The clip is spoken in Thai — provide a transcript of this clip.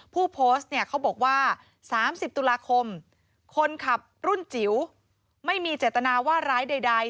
ผู้โพสต์เนี่ยเขาบอกว่า๓๐ตุลาคมคนขับรุ่นจิ๋วไม่มีเจตนาว่าร้ายใด